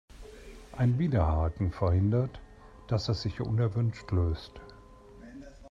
Ein Widerhaken verhindert, dass es sich unerwünscht löst.